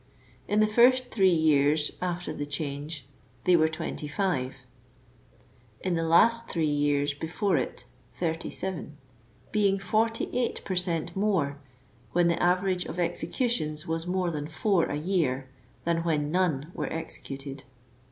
In the first three years after the change they were 25 ; in the last three before it, 37*; being 48 per cent more, when .the average of executions was more than four a year, than when none were executed.